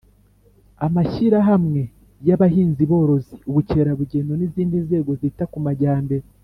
amashyirahamwe y'abahinzi-borozi, , ubukerarugendo, n'izindi nzego zita ku majyambere